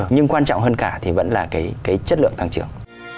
nhưng quan trọng hơn cả thì vẫn là cái chất lượng tăng trưởng